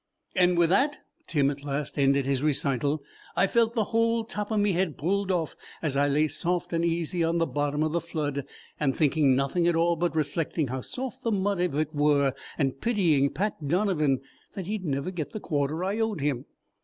"And with that," Tim at last ended his recital, "I felt the whole top of me head pulled off as I lay soft and easy on the bottom of the flood, and thinking nothing at all, but reflecting how soft the mud of it were and pitying Pat Donovan that he'd never get the quarter I owed him.